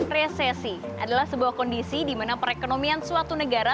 resesi adalah sebuah kondisi di mana perekonomian suatu negara